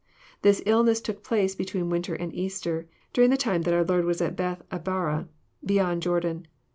This illness took place between winter and Easter, during the time that our Lord was at Bcthabara, beyond Jordan.